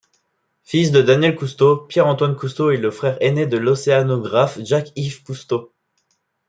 Fils de Daniel Cousteau, Pierre-Antoine Cousteau est le frère aîné de l'océanographe Jacques-Yves Cousteau.